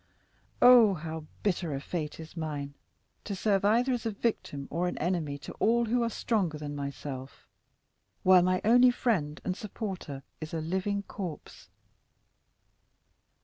Oh, how bitter a fate is mine, to serve either as a victim or an enemy to all who are stronger than myself, while my only friend and supporter is a living corpse!